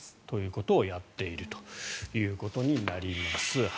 ということをやっているということになります。